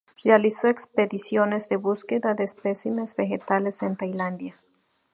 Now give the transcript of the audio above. Realizó expediciones de búsqueda de especímenes vegetales, en Tailandia.